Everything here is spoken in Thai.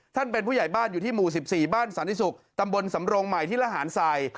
เป็นผู้ใหญ่บ้านอยู่ที่หมู่๑๔บ้านสันติศุกร์ตำบลสำรงใหม่ที่ระหารสาย